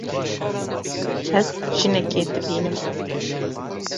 Ez jinekê dibînim.